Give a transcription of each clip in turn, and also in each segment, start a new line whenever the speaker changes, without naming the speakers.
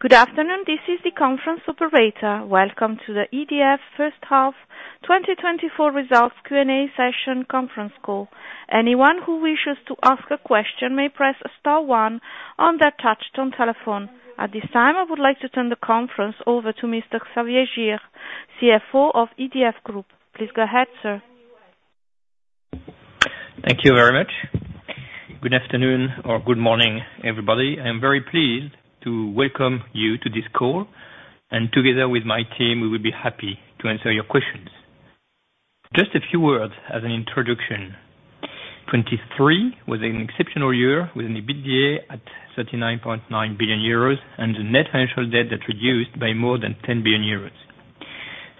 Good afternoon, this is the conference operator. Welcome to the EDF first half 2024 results Q&A session conference call. Anyone who wishes to ask a question may press star one on their touchtone telephone. At this time, I would like to turn the conference over to Mr. Xavier Girre, CFO of EDF Group. Please go ahead, sir.
Thank you very much. Good afternoon or good morning, everybody. I'm very pleased to welcome you to this call, and together with my team, we will be happy to answer your questions. Just a few words as an introduction. 2023 was an exceptional year, with an EBITDA at 39.9 billion euros and the net financial debt that reduced by more than 10 billion euros.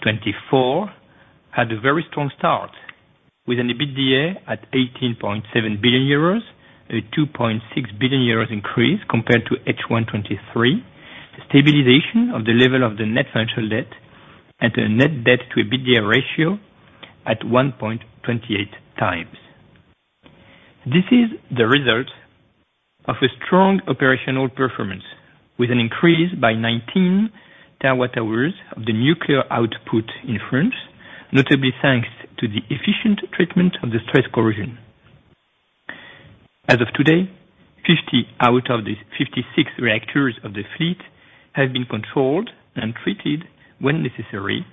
2024 had a very strong start, with an EBITDA at 18.7 billion euros, a 2.6 billion euros increase compared to H1 2023, stabilization of the level of the net financial debt, and a net debt to EBITDA ratio at 1.28x. This is the result of a strong operational performance, with an increase by 19 TWh of the nuclear output in France, notably thanks to the efficient treatment of the stress corrosion. As of today, 50 out of the 56 reactors of the fleet have been controlled and treated when necessary,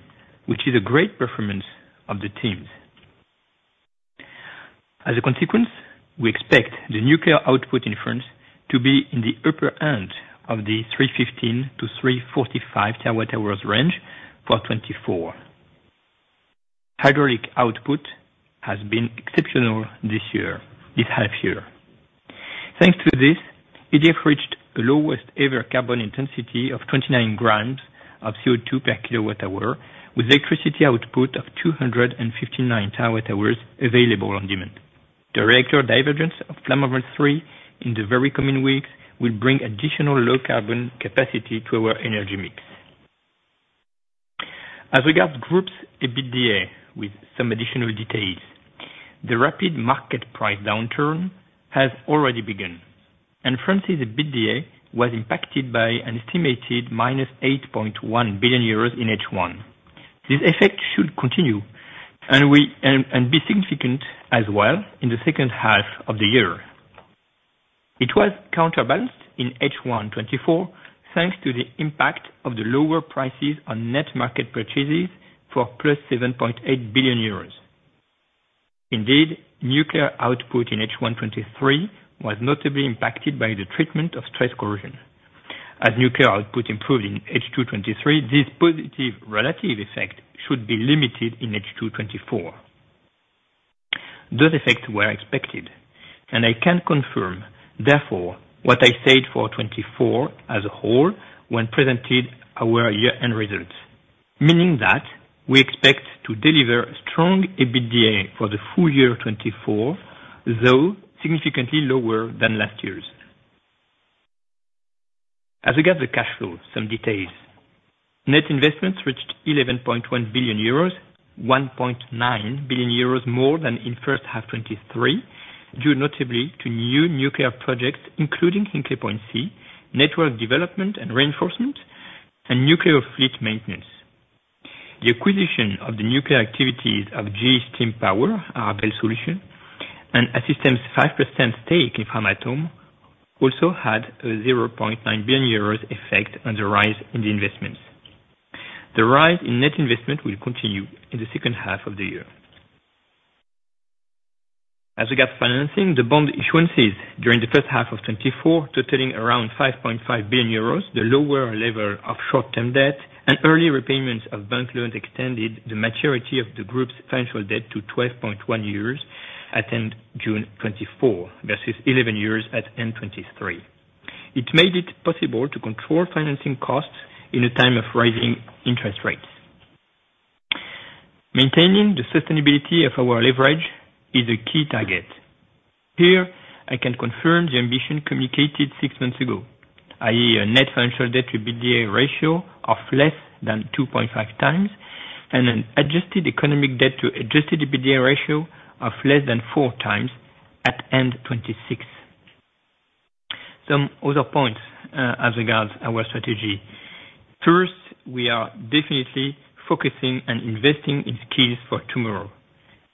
which is a great performance of the teams. As a consequence, we expect the nuclear output in France to be in the upper end of the 315-345 TWh range for 2024. Hydraulic output has been exceptional this year, this half year. Thanks to this, EDF reached the lowest ever carbon intensity of 29 grams of CO2 per kWh, with electricity output of 259 TWh available on demand. The regular divergence of Flamanville 3 in the very coming weeks will bring additional low carbon capacity to our energy mix. As regards Group's EBITDA, with some additional details, the rapid market price downturn has already begun, and France's EBITDA was impacted by an estimated -8.1 billion euros in H1. This effect should continue and we be significant as well in the second half of the year. It was counterbalanced in H1 2024, thanks to the impact of the lower prices on net market purchases for +7.8 billion euros. Indeed, nuclear output in H1 2023 was notably impacted by the treatment of stress corrosion. As nuclear output improved in H2 2023, this positive relative effect should be limited in H2 2024. Those effects were expected, and I can confirm, therefore, what I said for 2024 as a whole when presented our year-end results, meaning that we expect to deliver strong EBITDA for the full year 2024, though significantly lower than last year's. As we get the cash flow, some details. Net investments reached 11.1 billion euros, 1.9 billion euros more than in first half 2023, due notably to new nuclear projects, including Hinkley Point C, network development and reinforcement, and nuclear fleet maintenance. The acquisition of the nuclear activities of GE Steam Power, Arabelle Solutions, and Assystem 5% stake in Framatome also had a 0.9 billion euros effect on the rise in the investments. The rise in net investment will continue in the second half of the year. As we get financing, the bond issuances during the first half of 2024, totaling around 5.5 billion euros, the lower level of short-term debt and early repayments of bank loans extended the maturity of the group's financial debt to 12.1 years at end June 2024, versus 11 years at end 2023. It made it possible to control financing costs in a time of rising interest rates. Maintaining the sustainability of our leverage is a key target. Here, I can confirm the ambition communicated six months ago, i.e., a net financial debt to EBITDA ratio of less than 2.5x, and an adjusted economic debt to adjusted EBITDA ratio of less than 4x at end 2026. Some other points, as regards our strategy. First, we are definitely focusing and investing in skills for tomorrow.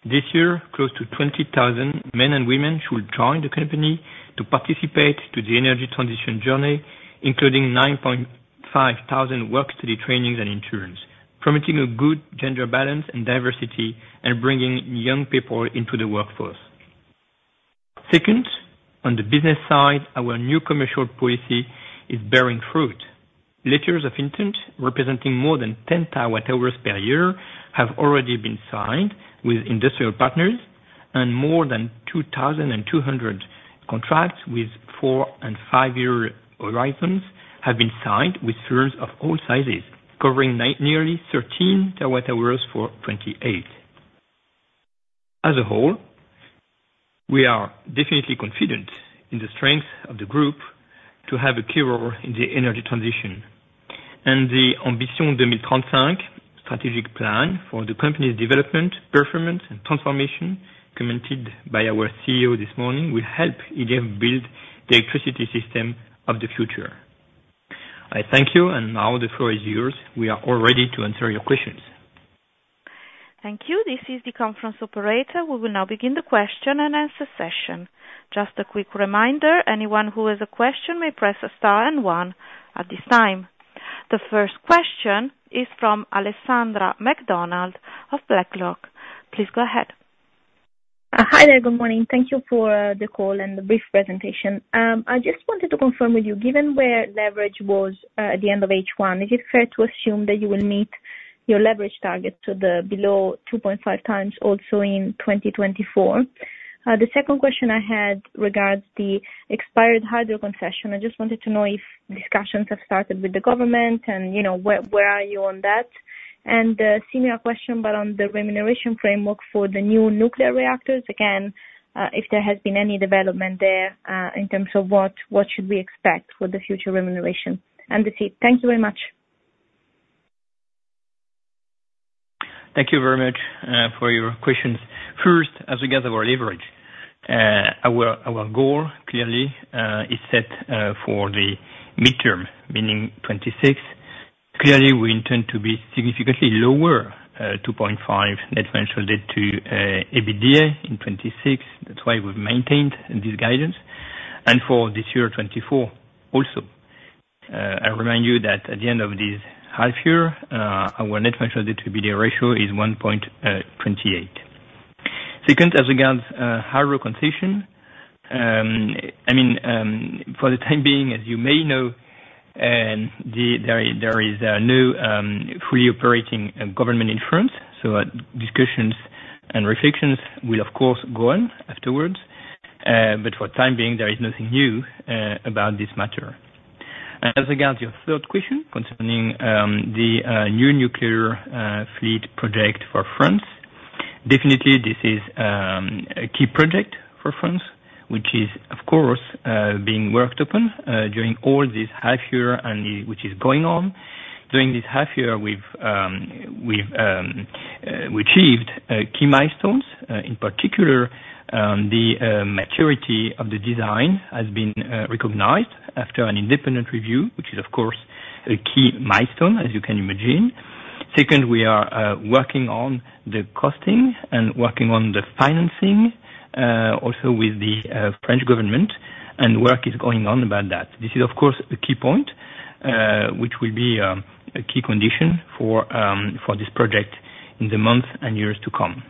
This year, close to 20,000 men and women will join the company to participate to the energy transition journey, including 9,500 work study trainings and interns, promoting a good gender balance and diversity and bringing young people into the workforce. Second, on the business side, our new commercial policy is bearing fruit. Letters of intent, representing more than 10 TWh per year, have already been signed with industrial partners, and more than 2,200 contracts with 4 and 5-year horizons have been signed with firms of all sizes, covering nearly 13 TWh for 2028. As a whole, we are definitely confident in the strength of the group to have a key role in the energy transition, and the Ambitions 2035 strategic plan for the company's development, performance and transformation commented by our CEO this morning, will help EDF build the electricity system of the future. I thank you, and now the floor is yours. We are all ready to answer your questions.
Thank you. This is the conference operator. We will now begin the question and answer session. Just a quick reminder, anyone who has a question may press star and one at this time. The first question is from Alessandra Mac Donald of BlackRock. Please go ahead.
Hi there. Good morning. Thank you for the call and the brief presentation. I just wanted to confirm with you, given where leverage was at the end of H1, is it fair to assume that you will meet your leverage target to the below 2.5x also in 2024? The second question I had regards the expired hydro concession. I just wanted to know if discussions have started with the government and, you know, where, where are you on that? Similar question, but on the remuneration framework for the new nuclear reactors, again, if there has been any development there, in terms of what should we expect for the future remuneration? That's it. Thank you very much.
Thank you very much for your questions. First, as regards our leverage, our goal clearly is set for the midterm, meaning 2026. Clearly, we intend to be significantly lower, 2.5 net financial debt to EBITDA in 2026. That's why we've maintained this guidance. And for this year, 2024 also. I remind you that at the end of this half year, our net financial debt to EBITDA ratio is 1.28. Second, as regards hydro concession, I mean, for the time being, as you may know, there is a new fully operating government in France, so discussions and reflections will of course go on afterwards. But for the time being, there is nothing new about this matter. As regards your third question concerning the new nuclear fleet project for France. Definitely this is a key project for France, which is, of course, being worked upon during all this half year and which is going on. During this half year we've achieved key milestones, in particular, the maturity of the design has been recognized after an independent review, which is of course a key milestone, as you can imagine. Second, we are working on the costing and working on the financing also with the French government, and work is going on about that. This is, of course, a key point which will be a key condition for this project in the months and years to come.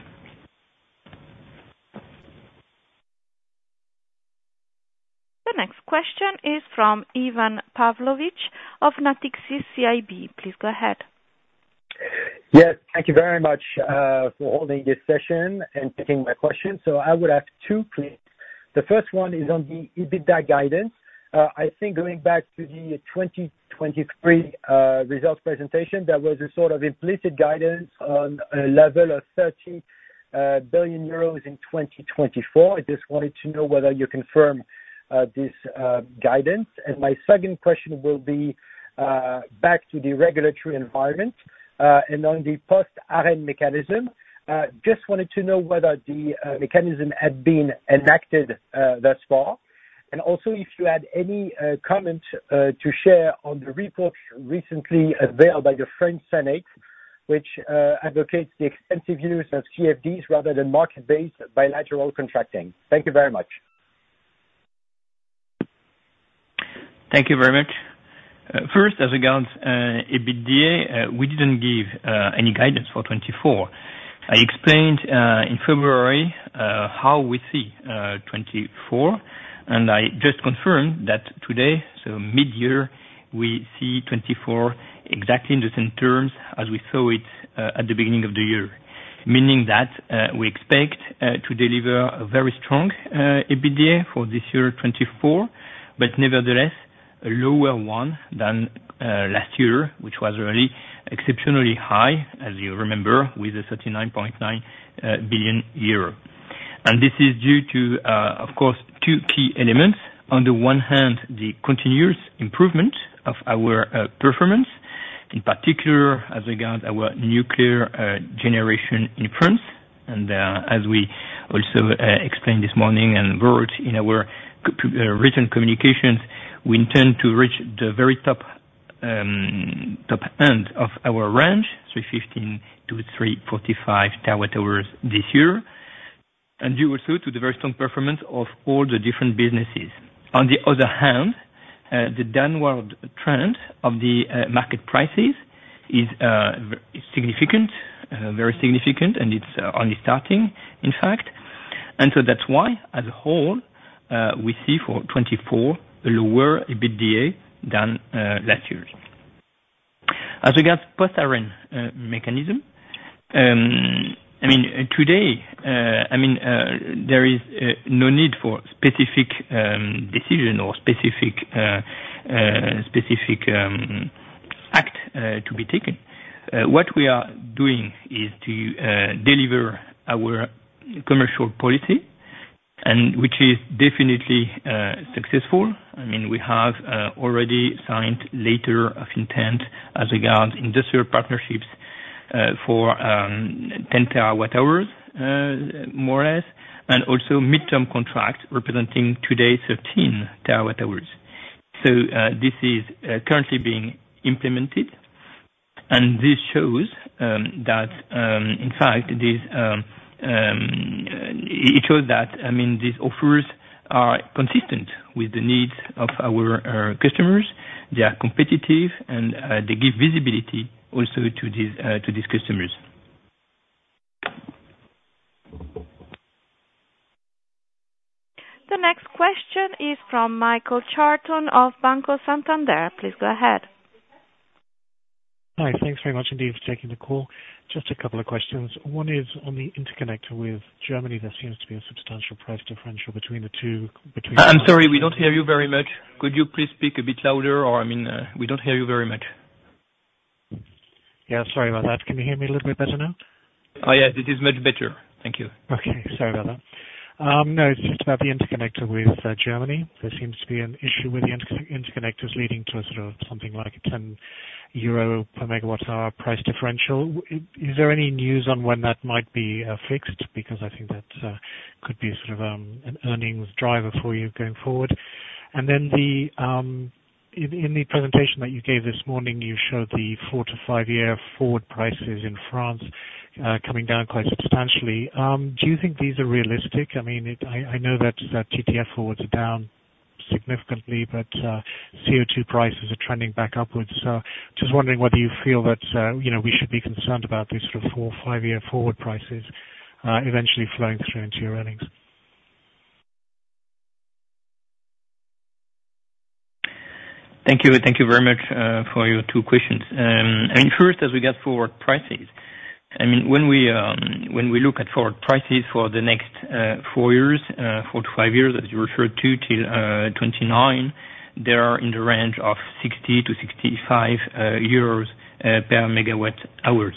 The next question is from Ivan Pavlovic of Natixis CIB. Please go ahead.
Yes, thank you very much for holding this session and taking my question. I would ask 2, please. The first one is on the EBITDA guidance. I think going back to the 2023 results presentation, there was a sort of implicit guidance on a level of 30 billion euros in 2024. I just wanted to know whether you confirm this guidance. My second question will be back to the regulatory environment and on the post ARENH mechanism. Just wanted to know whether the mechanism had been enacted thus far, and also, if you had any comment to share on the report recently available by the French Senate, which advocates the extensive use of CFDs rather than market-based bilateral contracting. Thank you very much.
Thank you very much. First, as regards EBITDA, we didn't give any guidance for 2024. I explained in February how we see 2024, and I just confirm that today, so mid-year, we see 2024 exactly in the same terms as we saw it at the beginning of the year. Meaning that, we expect to deliver a very strong EBITDA for this year, 2024, but nevertheless a lower one than last year, which was really exceptionally high, as you remember, with a 39.9 billion euro. And this is due to, of course, two key elements. On the one hand, the continuous improvement of our performance, in particular as regards our nuclear generation in France. As we also explained this morning and wrote in our written communications, we intend to reach the very top end of our range, so 15-34 TWh this year. Due also to the very strong performance of all the different businesses. On the other hand, the downward trend of the market prices is significant, very significant, and it's only starting, in fact, and so that's why, as a whole, we see for 2024, a lower EBITDA than last year. As regards post ARENH mechanism, I mean, today, I mean, there is no need for specific decision or specific act to be taken. What we are doing is to deliver our commercial policy. And which is definitely successful. I mean, we have already signed letter of intent as regards industrial partnerships for 10 TWh more or less, and also midterm contracts representing today 13 TWh. So this is currently being implemented, and this shows that I mean these offers are consistent with the needs of our customers. They are competitive and they give visibility also to these customers.
The next question is from Michael Charlton of Banco Santander. Please go ahead.
Hi. Thanks very much indeed for taking the call. Just a couple of questions. One is on the interconnector with Germany. There seems to be a substantial price differential between the two, between.
I'm sorry, we don't hear you very much. Could you please speak a bit louder or, I mean, we don't hear you very much?
Yeah, sorry about that. Can you hear me a little bit better now?
Oh, yeah, this is much better. Thank you.
Okay. Sorry about that. No, it's just about the interconnector with Germany. There seems to be an issue with the interconnectors leading to a sort of something like a 10 euro per MWh price differential. Is there any news on when that might be fixed? Because I think that could be sort of an earnings driver for you going forward. And then in the presentation that you gave this morning, you showed the 4-5 year forward prices in France coming down quite substantially. Do you think these are realistic? I mean, I know that TTF forwards are down significantly, but CO2 prices are trending back upwards. Just wondering whether you feel that, you know, we should be concerned about these sort of 4-5 year forward prices eventually flowing through into your earnings?
Thank you. Thank you very much for your two questions. I mean, first, when we look at forward prices for the next four years, 4-5 years, as you referred to, till 2029, they are in the range of 60-65 euros per MWh.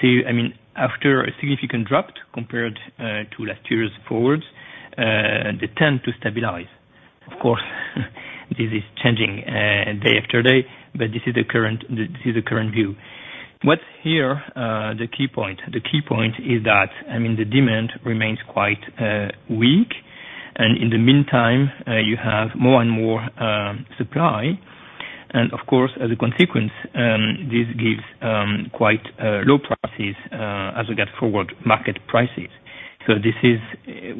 So I mean, after a significant drop compared to last year's forwards, they tend to stabilize. Of course, this is changing day after day, but this is the current, this is the current view. What's here the key point? The key point is that, I mean, the demand remains quite weak, and in the meantime, you have more and more supply, and of course, as a consequence, this gives quite low prices, as we get forward market prices. So this is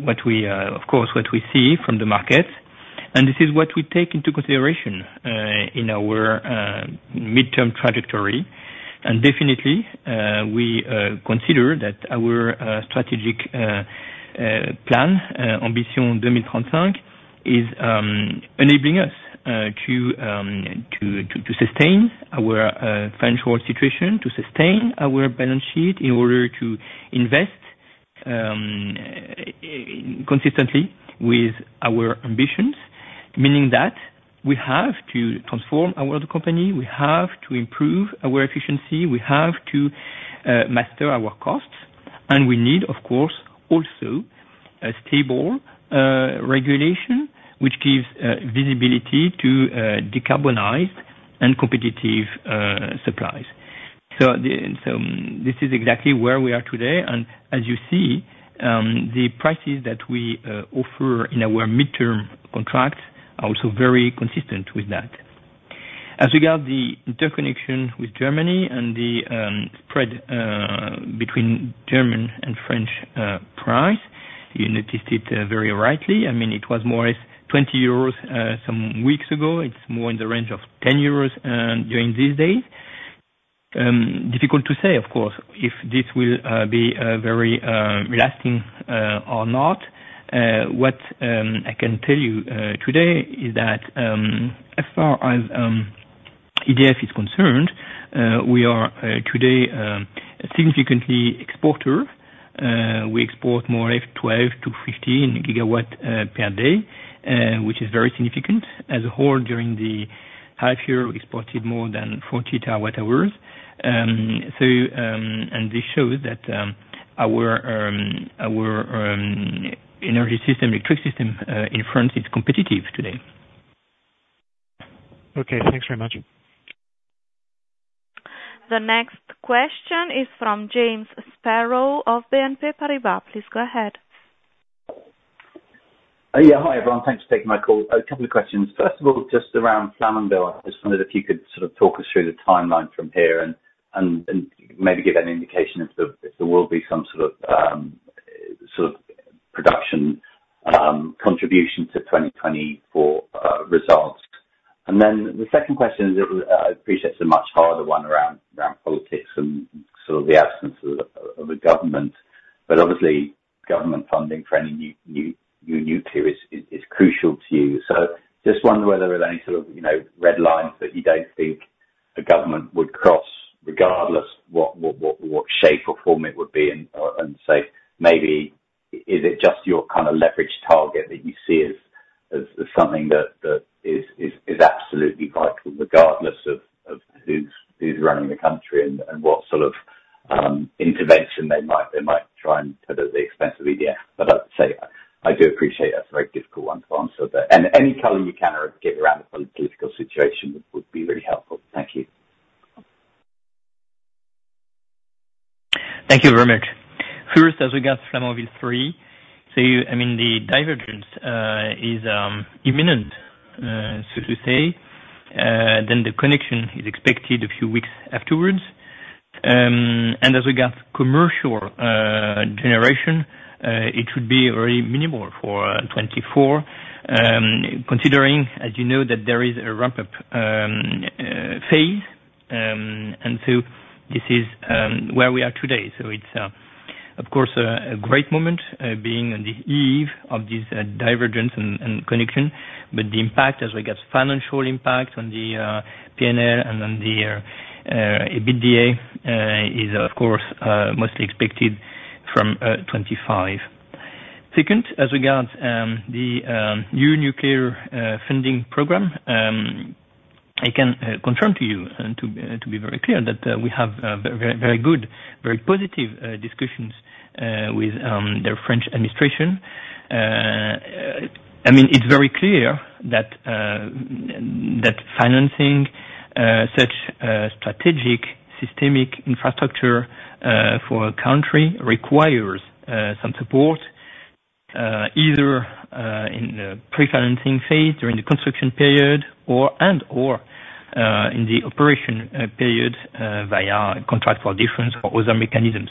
what we, of course, what we see from the market, and this is what we take into consideration in our midterm trajectory. And definitely, we consider that our strategic plan, Ambitions 2035, is enabling us to sustain our financial situation, to sustain our balance sheet, in order to invest consistently with our ambitions. Meaning that we have to transform our company, we have to improve our efficiency, we have to master our costs, and we need, of course, also a stable regulation, which gives visibility to decarbonize and competitive supplies. So, and so this is exactly where we are today, and as you see, the prices that we offer in our midterm contracts are also very consistent with that. As regards the interconnection with Germany and the spread between German and French price, you noticed it very rightly. I mean, it was more like 20 euros some weeks ago. It's more in the range of 10 euros during this day. Difficult to say, of course, if this will be very lasting or not. What I can tell you today is that, as far as EDF is concerned, we are today a significant exporter. We export more like 12-15 GWh per day, which is very significant. As a whole, during the half year, we exported more than 40 TWh. And this shows that our energy system, electric system, in France, is competitive today.
Okay, thanks very much.
The next question is from James Sparrow of BNP Paribas. Please go ahead.
Yeah, hi, everyone. Thanks for taking my call. A couple of questions. First of all, just around Flamanville, I just wondered if you could sort of talk us through the timeline from here and maybe give an indication if there will be some sort of production contribution to 2024 results. Then the second question is, I appreciate it's a much harder one around politics and sort of the absence of the government, but obviously, government funding for any new nuclear is crucial to you. So just wonder whether there are any sort of, you know, red lines that you don't think the government would cross, regardless what shape or form it would be, and say, maybe is it just your kind of leverage target. That you see as something that is absolutely vital, regardless of who's running the country, and what sort of intervention they might try and put at the expense of EDF. But I'd say, I do appreciate that's a very difficult one to answer, but any color you can kind of give around the political situation would be very helpful. Thank you.
Thank you very much. First, as regards Flamanville 3, I mean, the divergence is imminent, so to say. Then the connection is expected a few weeks afterwards. As regards commercial generation, it should be very minimal for 2024. Considering, as you know, that there is a ramp-up phase, and so this is where we are today. So it's, of course, a great moment, being on the eve of this divergence and connection. But the impact as regards financial impact on the P&L and on the EBITDA is, of course, mostly expected from 2025. Second, as regards the new nuclear funding program, I can confirm to you, and to be very clear, that we have very, very good, very positive discussions with the French administration. I mean, it's very clear that that financing such strategic systemic infrastructure for a country requires some support, either in the pre-financing phase, during the construction period, or, and, or, in the operation period, via contract for difference or other mechanisms.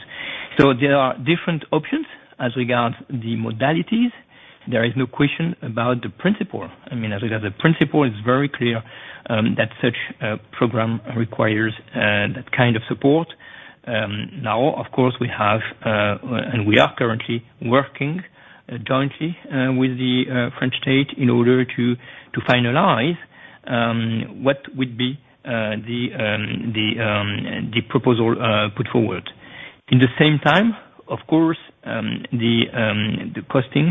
So there are different options as regards the modalities. There is no question about the principle. I mean, as regards the principle, it's very clear that such a program requires that kind of support. Now, of course, we have, and we are currently working jointly with the French state in order to finalize what would be the proposal put forward. In the same time, of course, the costing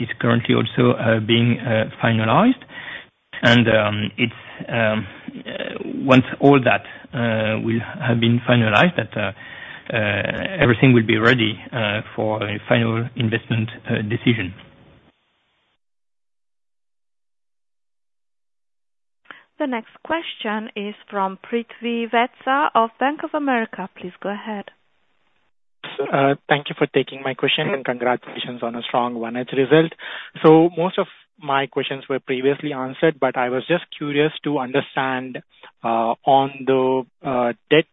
is currently also being finalized, and it's once all that will have been finalized that everything will be ready for a final investment decision.
The next question is from Prithvi Vatsa of Bank of America. Please go ahead.
Thank you for taking my question. And congratulations on a strong H1 result. So most of my questions were previously answered, but I was just curious to understand on the debt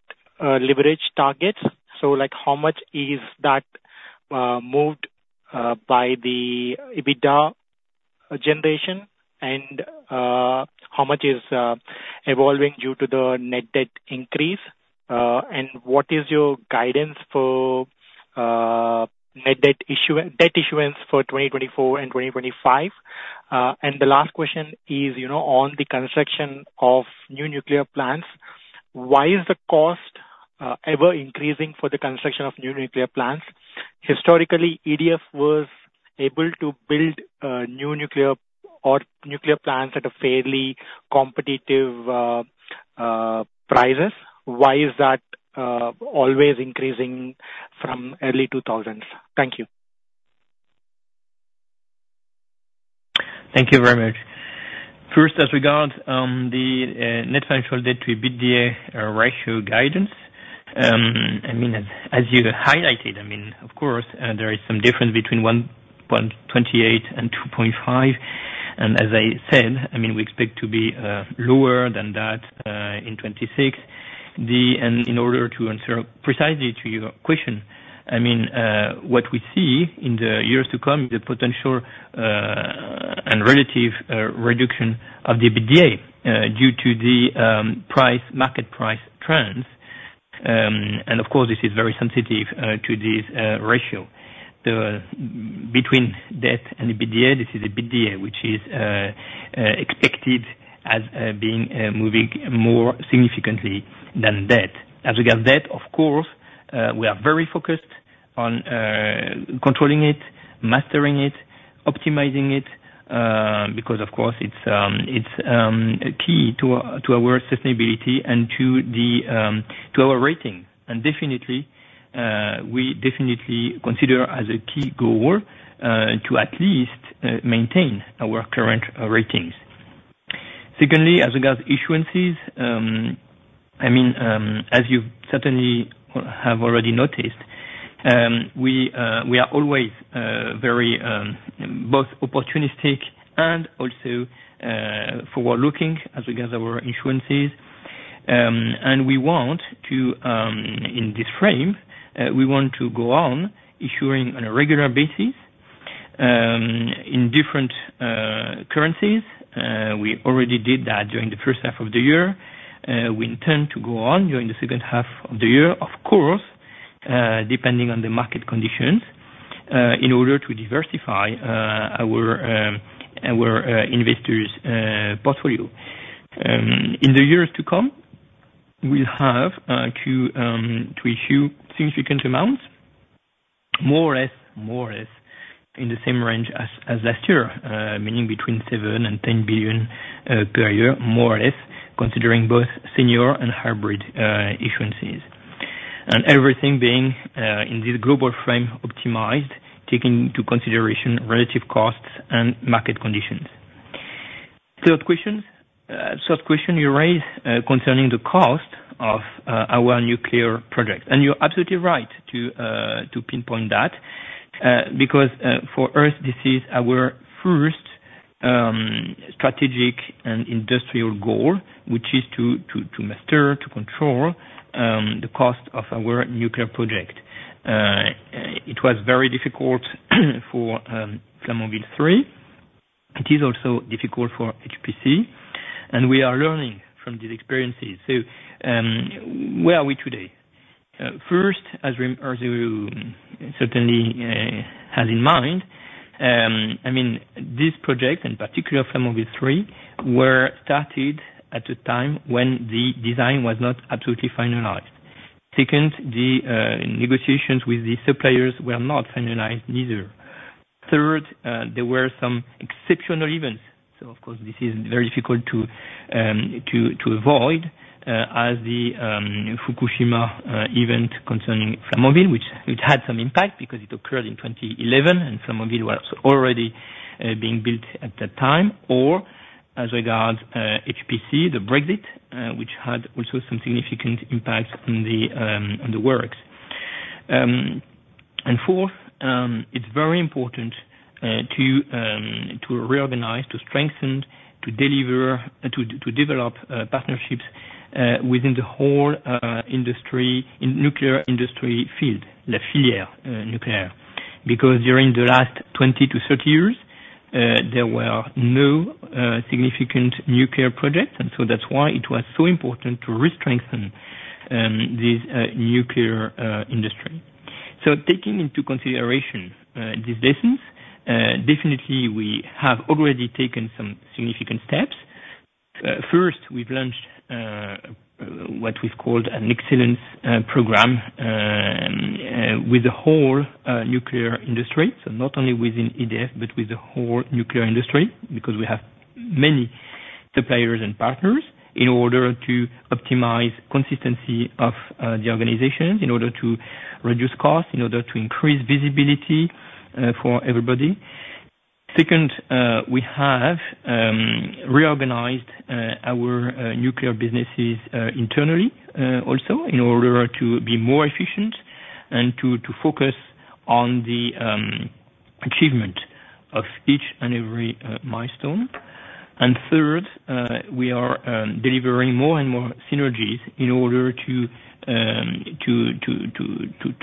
leverage target. So, like, how much is that moved by the EBITDA generation, and how much is evolving due to the net debt increase? And what is your guidance for net debt issue, debt issuance for 2024 and 2025? And the last question is, you know, on the construction of new nuclear plants, why is the cost ever-increasing for the construction of new nuclear plants? Historically, EDF was able to build new nuclear or nuclear plants at a fairly competitive prices. Why is that always increasing from early 2000s? Thank you.
Thank you very much. First, as regards the net financial debt to EBITDA ratio guidance, I mean, as you highlighted, I mean, of course, there is some difference between 1.28 and 2.5, and as I said, I mean, we expect to be lower than that in 2026. And in order to answer precisely to your question, I mean, what we see in the years to come, the potential and relative reduction of the EBITDA due to the market price trends, and of course, this is very sensitive to this ratio. The between debt and EBITDA, this is EBITDA, which is expected as being moving more significantly than debt. As regards to debt, of course, we are very focused on controlling it, mastering it, optimizing it, because of course, it's a key to our sustainability and to our rating, and definitely, we definitely consider as a key goal to at least maintain our current ratings. Secondly, as regards issuances, I mean, as you certainly have already noticed, we are always very both opportunistic and also forward-looking as we get our issuances. And we want to, in this frame, we want to go on issuing on a regular basis, in different currencies. We already did that during the first half of the year. We intend to go on during the second half of the year, of course, depending on the market conditions, in order to diversify our investors' portfolio. In the years to come. We have to issue significant amounts, more or less in the same range as last year. Meaning between 7 billion and 10 billion per year, more or less, considering both senior and hybrid issuances. And everything being in this global frame, optimized, taking into consideration relative costs and market conditions. Third question you raised concerning the cost of our nuclear project. You're absolutely right to pinpoint that, because for us, this is our first strategic and industrial goal, which is to master, to control the cost of our nuclear project. It was very difficult for Flamanville 3. It is also difficult for HPC, and we are learning from these experiences. So, where are we today? First, as you certainly have in mind, I mean, this project, in particular Flamanville 3, were started at the time when the design was not absolutely finalized. Second, the negotiations with the suppliers were not finalized neither. Third, there were some exceptional events, so of course, this is very difficult to, to avoid, as the Fukushima event concerning Flamanville, which it had some impact because it occurred in 2011, and Flamanville was already being built at that time, or as regards HPC, the Brexit, which had also some significant impacts on the, on the works. And fourth, it's very important, to, to reorganize, to strengthen, to deliver, to, to develop partnerships within the whole industry, in nuclear industry field, in the field nuclear. Because during the last 20-30 years, there were no significant nuclear projects, and so that's why it was so important to re-strengthen this nuclear industry. So taking into consideration these lessons, definitely we have already taken some significant steps. First, we've launched what we've called an excellence program with the whole nuclear industry. So not only within EDF, but with the whole nuclear industry, because we have many suppliers and partners, in order to optimize consistency of the organizations, in order to reduce costs, in order to increase visibility for everybody. Second, we have reorganized our nuclear businesses internally, also in order to be more efficient and to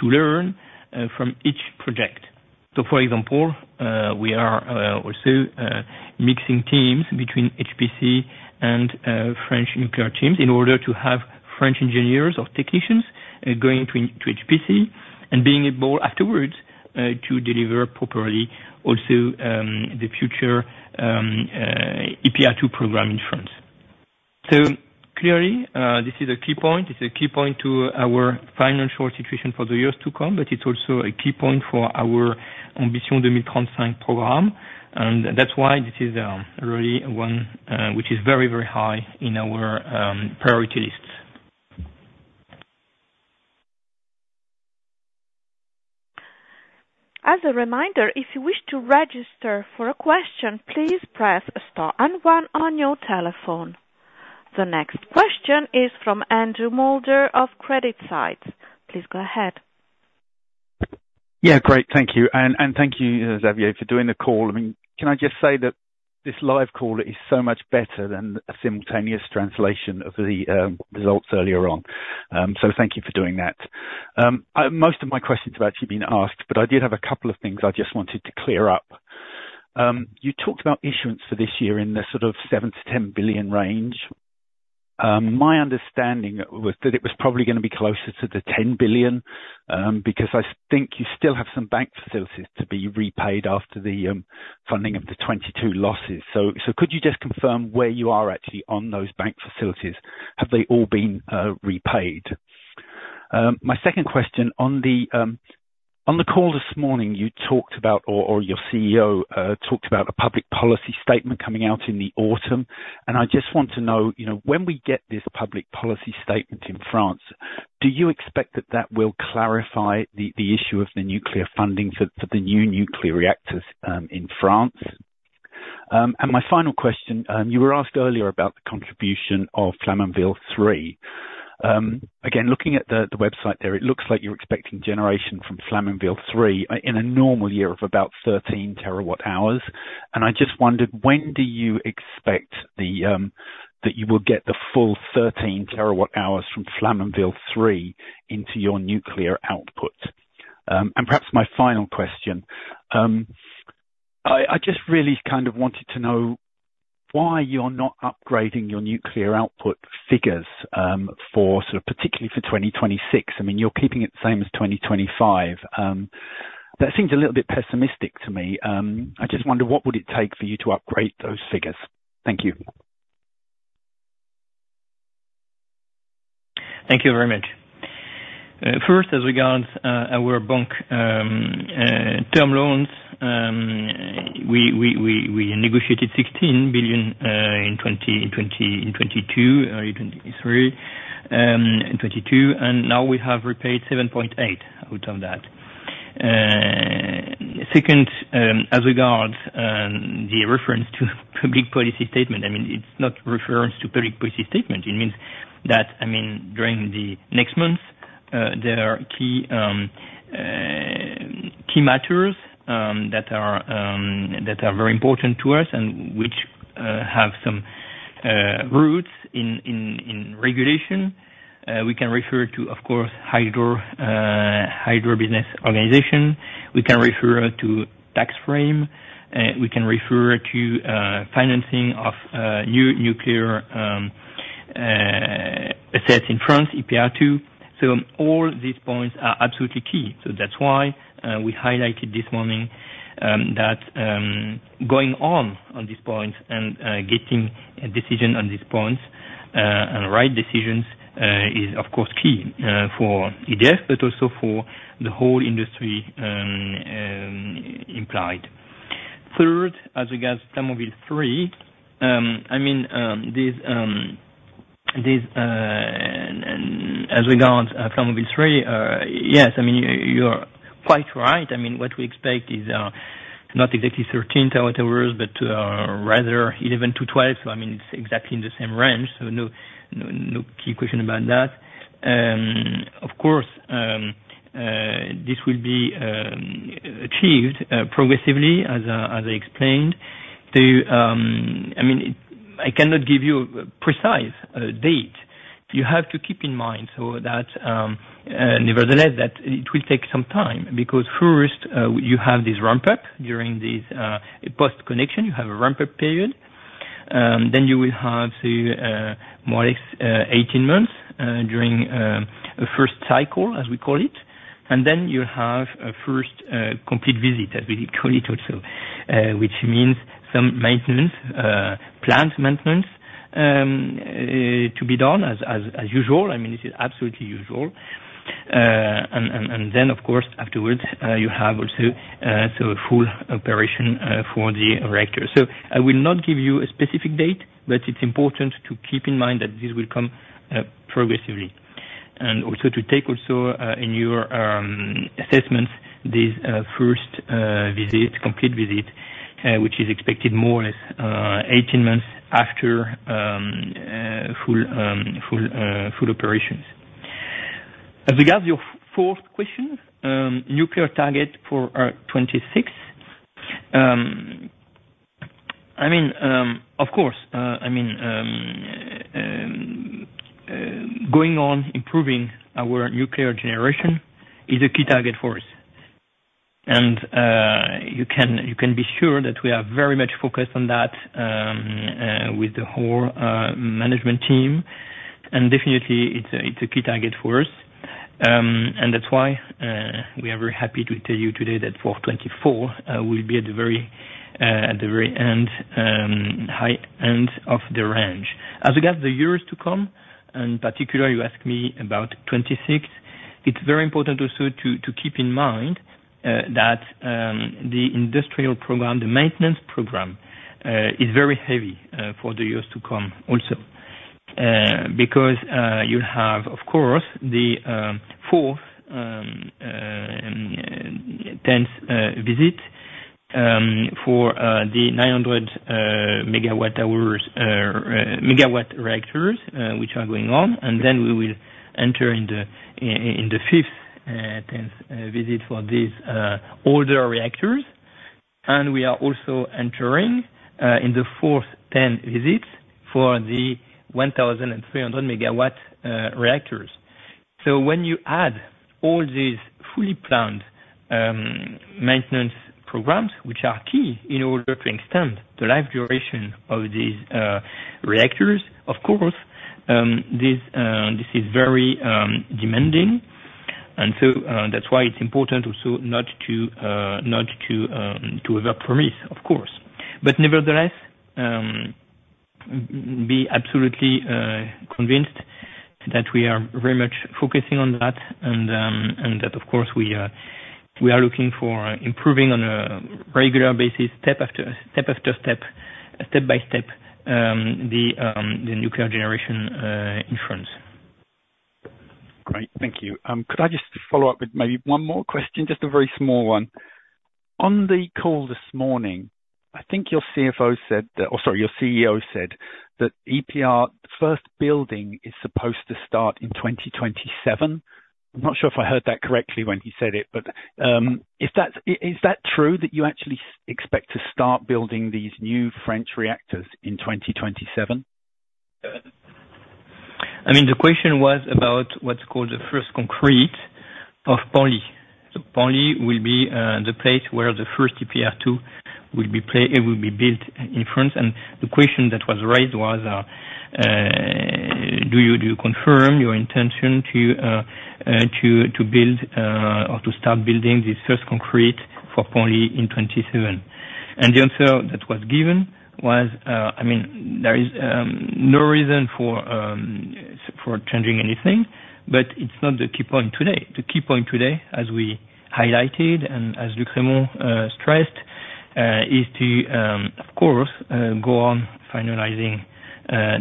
learn from each project. So, for example, we are also mixing teams between HPC and French nuclear teams in order to have French engineers or technicians going to HPC and being able, afterwards, to deliver properly also the future EPR2 program in France. So clearly, this is a key point. It's a key point to our financial situation for the years to come, but it's also a key point for our in between program. And that's why this is really one which is very, very high in our priority list.
As a reminder, if you wish to register for a question, please press star and one on your telephone. The next question is from Andrew Moulder of CreditSights. Please go ahead.
Yeah, great, thank you. And thank you, Xavier, for doing the call. I mean, can I just say that this live call is so much better than a simultaneous translation of the results earlier on? So thank you for doing that. Most of my questions have actually been asked, but I did have a couple of things I just wanted to clear up. You talked about issuance for this year in the sort of 7 billion-10 billion range. My understanding was that it was probably gonna be closer to the 10 billion because I think you still have some bank facilities to be repaid after the funding of the 2022 losses. So could you just confirm where you are actually on those bank facilities? Have they all been repaid? My second question, on the, on the call this morning, you talked about or, or your CEO talked about a public policy statement coming out in the autumn, and I just want to know, you know, when we get this public policy statement in France, do you expect that, that will clarify the, the issue of the nuclear funding for, for the new nuclear reactors, in France? And my final question, you were asked earlier about the contribution of Flamanville 3. Again, looking at the, the website there, it looks like you're expecting generation from Flamanville 3, in a normal year of about 13 TWh. And I just wondered, when do you expect the, that you will get the full 13 TWh from Flamanville 3 into your nuclear output? Perhaps my final question, I just really kind of wanted to know why you're not upgrading your nuclear output figures, for sort of particularly for 2026. I mean, you're keeping it the same as 2025. That seems a little bit pessimistic to me. I just wonder, what would it take for you to upgrade those figures? Thank you.
Thank you very much. First, as regards our bank term loans, we negotiated EUR 16 billion in 2020, in 2022, or 2023, in 2022, and now we have repaid 7.8 billion out of that. Second, as regards the reference to public policy statement, I mean, it's not reference to public policy statement. It means that, I mean, during the next months, there are key matters that are very important to us and which have some roots in regulation. We can refer to, of course, hydro business organization. We can refer to tax frame, we can refer to financing of new nuclear assets in France, EPR2. So all these points are absolutely key. So that's why we highlighted this morning that going on these points and getting a decision on these points and right decisions is, of course, key for EDF, but also for the whole industry, implied. Third, as regards Flamanville 3, I mean this. As regards Flamanville 3, yes, I mean, you're quite right. I mean, what we expect is not exactly 13 TWh, but rather 11-12. So I mean, it's exactly in the same range, so no, no, no key question about that. Of course, this will be achieved progressively, as I explained. I mean, I cannot give you a precise date. You have to keep in mind, so that nevertheless that it will take some time. Because first, you have this ramp-up during this post connection, you have a ramp-up period. Then you will have the more or less 18 months during a first cycle, as we call it. And then you have a first complete visit, as we call it also. Which means some maintenance plant maintenance to be done as usual. I mean, this is absolutely usual. And then, of course, afterwards, you have also so a full operation for the reactor. So I will not give you a specific date, but it's important to keep in mind that this will come progressively. Also, to take also in your assessments, this first visit, complete visit, which is expected more or less 18 months after full operations. As regards your fourth question, nuclear target for 2026. I mean, of course, I mean, going on improving our nuclear generation is a key target for us. And you can, you can be sure that we are very much focused on that, with the whole management team, and definitely it's a key target for us. And that's why we are very happy to tell you today that for 2024, we'll be at the very end, high end of the range. As regards the years to come, in particular, you asked me about 2026. It's very important also to keep in mind that the industrial program, the maintenance program, is very heavy for the years to come also. Because you have, of course, the fourth tenth visit for the 900 MW reactors, which are going on, and then we will enter in the fifth tenth visit for these older reactors. And we are also entering in the fourth ten visits for the 1,300 MW reactors. So when you add all these fully planned maintenance programs, which are key in order to extend the life duration of these reactors, of course, this is very demanding. That's why it's important also not to overpromise, of course. Nevertheless, be absolutely convinced that we are very much focusing on that, and that of course, we are looking for improving on a regular basis, step after step after step, step by step, the nuclear generation in France.
Great, thank you. Could I just follow up with maybe one more question? Just a very small one. On the call this morning, I think your CFO said that, or sorry, your CEO said that EPR first building is supposed to start in 2027. I'm not sure if I heard that correctly when he said it, but is that true, that you actually expect to start building these new French reactors in 2027?
I mean, the question was about what's called the first concrete of Penly. So Penly will be the place where the first EPR2 will be play- it will be built in France. And the question that was raised was, do you, do you confirm your intention to, to build, or to start building the first concrete for Penly in 2027? And the answer that was given was, I mean, there is no reason for for changing anything, but it's not the key point today. The key point today, as we highlighted, and as our CEO stressed, is to of course go on finalizing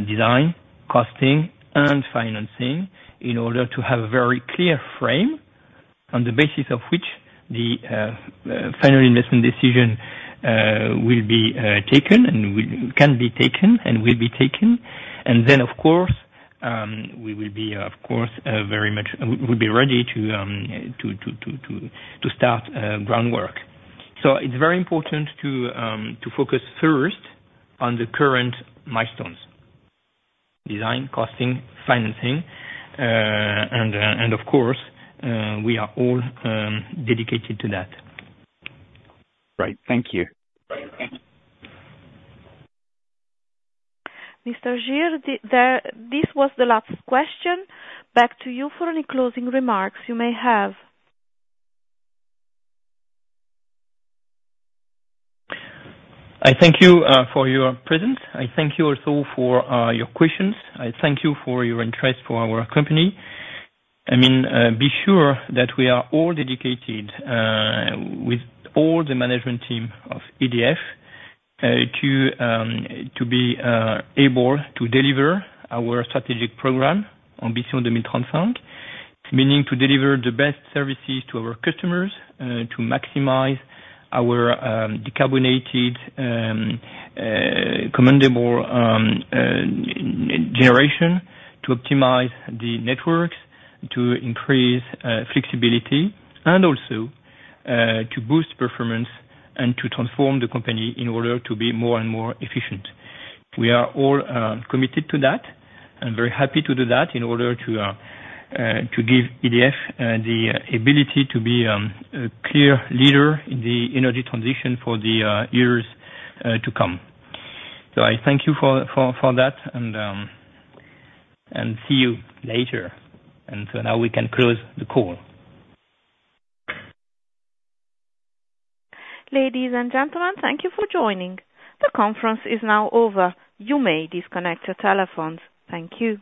design, costing, and financing in order to have a very clear frame on the basis of which the final investment decision will be taken and can be taken and will be taken. And then, of course, we will be, of course, very much, we'll be ready to start groundwork. So it's very important to focus first on the current milestones: design, costing, financing, and of course we are all dedicated to that.
Right. Thank you.
Mr. Girre, this was the last question. Back to you for any closing remarks you may have.
I thank you for your presence. I thank you also for your questions. I thank you for your interest for our company. I mean, be sure that we are all dedicated with all the management team of EDF to be able to deliver our strategic program on Ambitions 2035, meaning to deliver the best services to our customers to maximize our decarbonated commendable generation, to optimize the networks, to increase flexibility, and also to boost performance and to transform the company in order to be more and more efficient. We are all committed to that, and very happy to do that in order to give EDF the ability to be a clear leader in the energy transition for the years to come. So I thank you for that, and see you later. So now we can close the call.
Ladies and gentlemen, thank you for joining. The conference is now over. You may disconnect your telephones. Thank you.